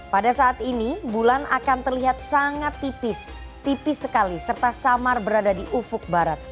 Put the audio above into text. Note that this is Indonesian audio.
pada saat ini bulan akan terlihat sangat tipis tipis sekali serta samar berada di ufuk barat